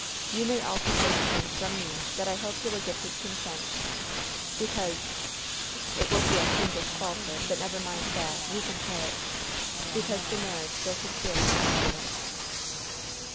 You may also say to him, from me, that I hope he will give his consent, because it will be a fiendish falsehood; but never mind that; you can tell it because the marriage will secure my happiness."